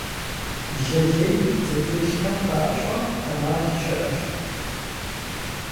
Лы лей зытелъхэм папщӀэ Ӏэмал щыӀэщ.